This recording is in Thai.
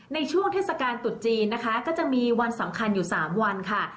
ในช่วงเทศกาลตุดจีนนะคะก็จะมีวันสำคัญอยู่๓วันค่ะ